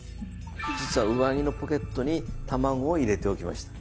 実は上着のポケットに卵を入れておきました。